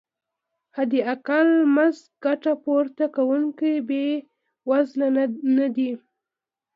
حداقل مزد ګټه پورته کوونکي بې وزله نه دي.